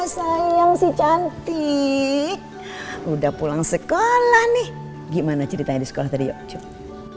hei cucu oma sayang si cantik udah pulang sekolah nih gimana ceritanya di sekolah tadi yuk